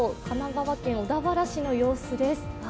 神奈川県小田原市の様子です。